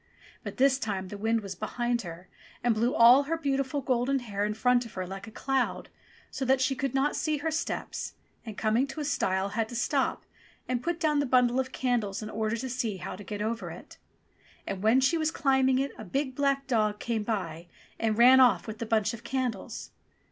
But this time the wind was behind her and blew all her beautiful golden hair in front of her like a cloud, so that she could not see her steps, and, coming to a stile, had to stop and put down the bundle of candles in order to see how to get over it. And when she was climbing it a big black dog came by and ran off with the bunch of candles